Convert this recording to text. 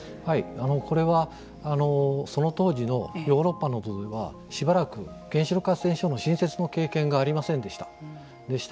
これは、その当時ヨーロッパなどではしばらく原子力発電所の新設の経験がありませんでした。